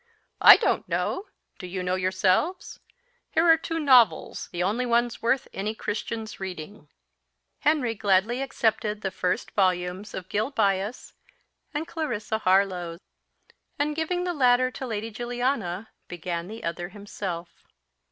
"I don't know! Do you know yourselves? Here are two novels, the only ones worth any Christian's reading." Henry gladly accepted the first volumes of Gil Bias and Clarissa Harlowe; and, giving the latter to Lady Juliana, began the other himself.